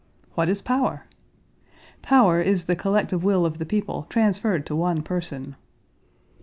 What is power? Power is the collective will of the people transferred to one person.